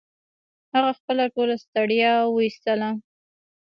هغه خپله ټوله ستړيا و ایستله